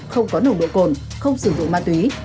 không có nồng độ cồn không sử dụng ma túy